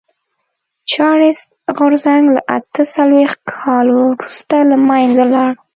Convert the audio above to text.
چارټېست غورځنګ له اته څلوېښت کال وروسته له منځه لاړ.